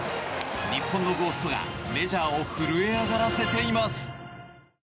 日本のゴーストがメジャーを震え上がらせています。